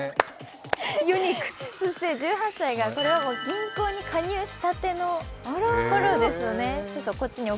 そして１８歳が、これは銀に加入したての頃ですね。